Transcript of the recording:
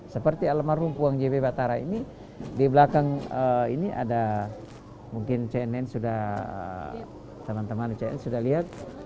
seperti alam rumpung puang jb batara ini di belakang ini ada mungkin cnn sudah teman teman cnn sudah lihat